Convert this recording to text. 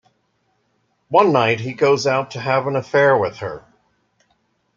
One night, he goes out to have an affair with her.